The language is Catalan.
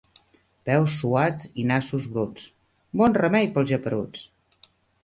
Peus suats i nassos bruts. Bon remei pels geperuts!